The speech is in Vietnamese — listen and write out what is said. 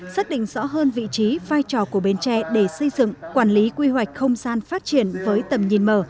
xác định rõ hơn vị trí vai trò của bến tre để xây dựng quản lý quy hoạch không gian phát triển với tầm nhìn mở